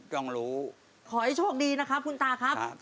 ขอให้โชคดีนะครับคุณตาครับ